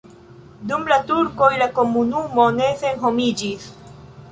Dum la turkoj la komunumo ne senhomiĝis.